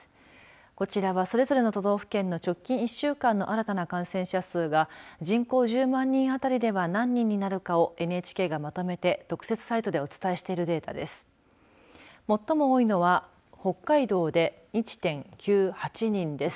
こちらは、それぞれの都道府県の直近１週間の新たな感染者数が人口１０万人あたりでは何人になるかをＮＨＫがまとめて特設サイトでお伝えしているデータです。